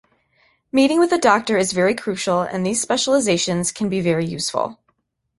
Meeting with a doctor is very crucial and these specializations can be very useful.